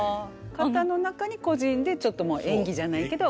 型の中に個人でちょっと演技じゃないけどやって。